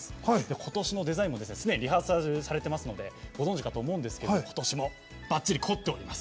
今年のデザインも、すでにリハーサルされていますのでご存じかと思うんですが今年も、ばっちり凝っております。